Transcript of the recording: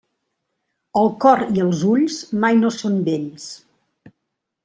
El cor i els ulls mai no són vells.